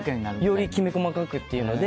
よりきめ細かくというので。